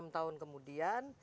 enam tahun kemudian